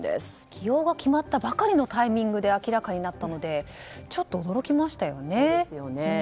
起用が決まったばかりのタイミングで明らかになったのでちょっと驚きましたよね。